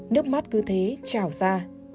nước mắt cứ thế trào ra